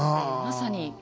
まさに。